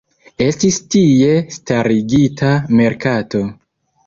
Estis tie starigita merkato.